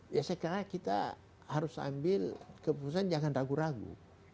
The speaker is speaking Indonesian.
ya saya kira kita harus ambil keputusan jangan ragu ragu